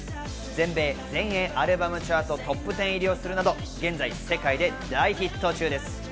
全米全英アルバムチャートトップテン入りをするなど現在世界で大ヒット中です。